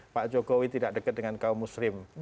pak jokowi tidak dekat dengan kaum muslim